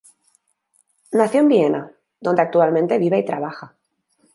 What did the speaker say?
Nació en Viena, donde actualmente vive y trabaja.